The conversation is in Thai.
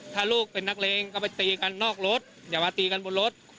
ถ้าลูกเป็นนักเลงก็ไปตีกันนอกรถอย่ามาตีกันบนรถ